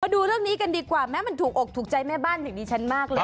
ดูเรื่องนี้กันดีกว่าแม้มันถูกอกถูกใจแม่บ้านถึงดิฉันมากเลย